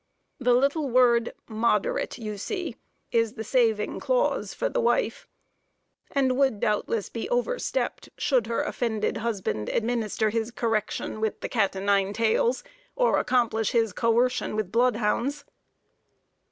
The little word "moderate," you see, is the saving clause for the wife, and would doubtless be overstepped should her offended husband administer his correction with the "cat o' nine tails," or accomplish his coercion with blood hounds.